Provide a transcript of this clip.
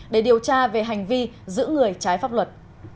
để điều tra về hành vi giữ người trái pháp luật